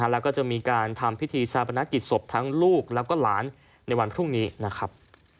แล้วก็จะมีการทำพิธีชาปนกิจศพทั้งลูกแล้วก็หลานในวันพรุ่งนี้นะครับ